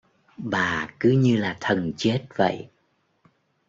Bà cứ như là thần chết vậy